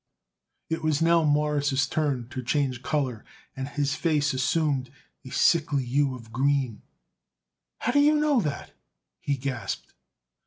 It was now Morris' turn to change color, and his face assumed a sickly hue of green. "How do you know that?" he gasped.